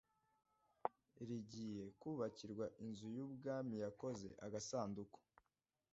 rigiye kubakirwa Inzu y Ubwami Yakoze agasanduku